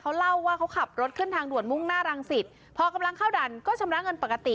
เขาเล่าว่าเขาขับรถขึ้นทางด่วนมุ่งหน้ารังสิตพอกำลังเข้าด่านก็ชำระเงินปกติ